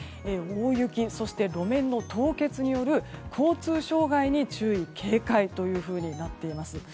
大雪、そして路面の凍結による交通障害に注意・警戒となっています。